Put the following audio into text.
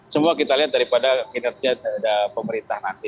semua kita lihat daripada kinerja pemerintah nanti